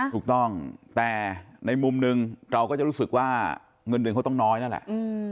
ถูกต้องแต่ในมุมหนึ่งเราก็จะรู้สึกว่าเงินเดือนเขาต้องน้อยนั่นแหละ